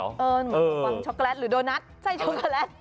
เหมือนฟังช็อกโกแลตหรือโดนัทไส้ช็อกโกแลต